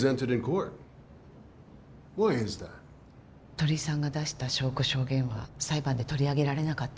鳥居さんが出した証拠・証言は裁判で取り上げられなかった。